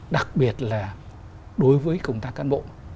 đặc biệt là đối với công tác cán bộ